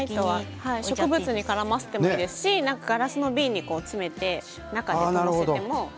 植物に絡ませてもいいですし、ガラスの瓶に詰めて中に載せても。